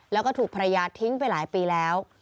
แล้วก็ถูกภรรยาทิ้งไปหลายปีแล้ว